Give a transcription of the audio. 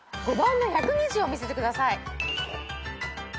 ５番の１２０を見せてください。